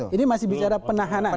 ini masih bicara penahanan